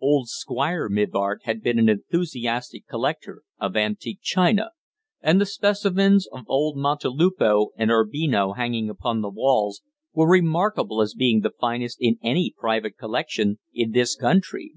Old Squire Mivart had been an enthusiastic collector of antique china, and the specimens of old Montelupo and Urbino hanging upon the walls were remarkable as being the finest in any private collection in this country.